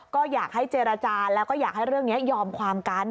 ก็อยากให้เจรจาแล้วก็อยากให้เรื่องนี้ยอมความกัน